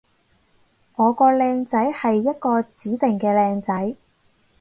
我個靚仔係一個指定嘅靚仔